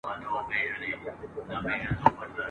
نه په بګړۍ نه په تسپو نه په وینا سمېږي !.